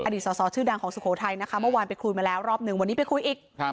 สอสอชื่อดังของสุโขทัยนะคะเมื่อวานไปคุยมาแล้วรอบหนึ่งวันนี้ไปคุยอีก